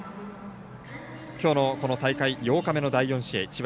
きょうの大会８日目の第４試合智弁